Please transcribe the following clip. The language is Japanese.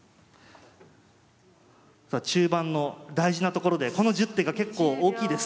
さあ中盤の大事なところでこの１０手が結構大きいです。